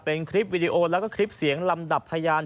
เป็นคลิปวิดีโอแล้วก็คลิปเสียงลำดับพยาน